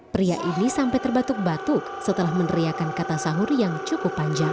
pria ini sampai terbatuk batuk setelah meneriakan kata sahur yang cukup panjang